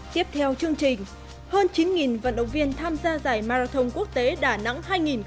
tiếp theo chương trình hơn chín vận động viên tham gia giải marathon quốc tế đà nẵng hai nghìn một mươi chín